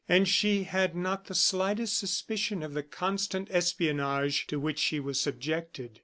And she had not the slightest suspicion of the constant espionage to which she was subjected.